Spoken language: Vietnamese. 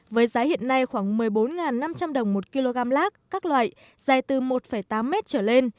với giá hiện nay khoảng một mươi bốn năm trăm linh đồng một kg lác các loại dài từ một tám mét trở lên